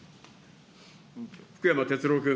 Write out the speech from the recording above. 福山哲郎君。